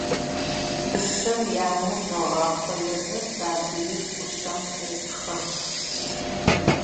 Кушъэр янэжъ ыгъэхъыезэ, сабыир кушъэм хепхэ.